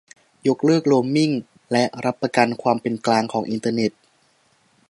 ยกเลิกโรมมิง และรับประกันความเป็นกลางของอินเทอร์เน็ต